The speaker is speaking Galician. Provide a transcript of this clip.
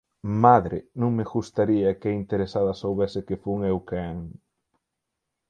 _Madre, non me gustaría que a interesada soubese que fun eu quen...